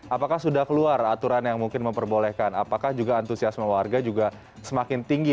apakah sudah keluar aturan yang mungkin memperbolehkan apakah juga antusiasme warga juga semakin tinggi